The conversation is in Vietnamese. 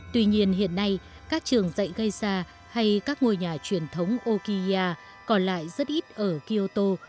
tuy nhiên hiện nay các trường dạy gây ra hay các ngôi nhà truyền thống okiya còn lại rất ít ở kyoto